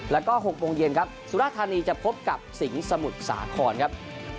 แล้วก็๖องค์เย็นครับสุรทัณฑ์นี้จะพบกับสิงสมุทรสาครครับ